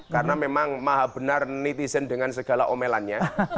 karena memang maha benar netizen dengan segala omelannya